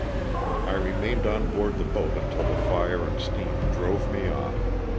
I re mained on board the boat until the fire and steam drove me off.